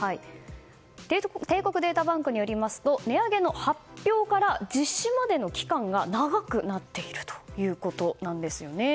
帝国データバンクによりますと値上げの発表から実施までの期間が長くなっているということなんですよね。